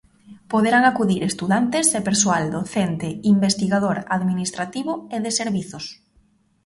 Poderán acudir estudantes e persoal docente, investigador, administrativo e de servizos.